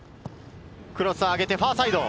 クロスを上げてファーサイド。